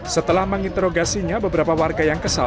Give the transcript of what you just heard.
setelah menginterogasinya beberapa warga yang kesal